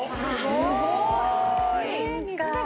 すごい。